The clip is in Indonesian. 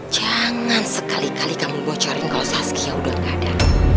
jangan sekali kali kamu bocorin kalau saskia udah gak ada